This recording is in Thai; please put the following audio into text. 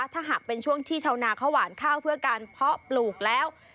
ถ้าหากเป็นช่วงที่ชาวนาเขาหวานข้าวเพื่อการเพาะปลูกแล้ว